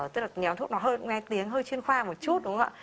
tức là nhóm thuốc nó nghe tiếng hơi chuyên khoa một chút đúng không ạ